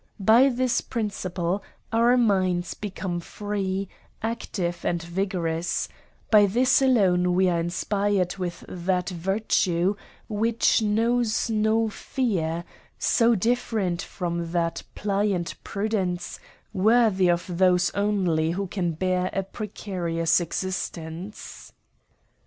By this principle our minds become free, active, and vi gorous ; by this alone we are inspired with that virtue which knows no fear, so different from that pliant prudence, worthy of those only who can bear a precarious existence.